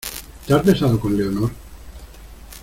¿ te has besado con Leonor?